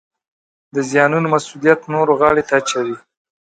د زیانونو مسوولیت نورو غاړې ته اچوي